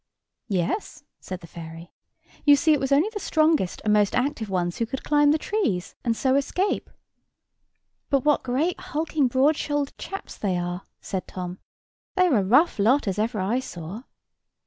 "Yes," said the fairy; "you see it was only the strongest and most active ones who could climb the trees, and so escape." "But what great, hulking, broad shouldered chaps they are," said Tom; "they are a rough lot as ever I saw."